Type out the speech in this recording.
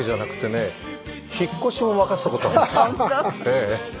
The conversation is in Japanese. ええ。